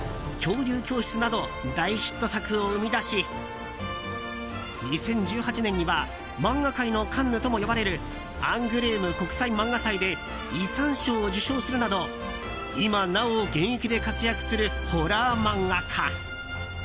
「漂流教室」など大ヒット作を生み出し２０１８年には漫画界のカンヌとも呼ばれるアングレーム国際漫画祭で遺産賞を受賞するなど今なお現役で活躍するホラー漫画家。